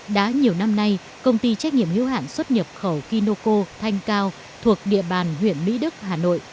đã nhiều năm nay công ty trách nhiệm hữu hạn xuất nhập khẩu kinoco thanh cao thuộc địa bàn huyện mỹ đức hà nội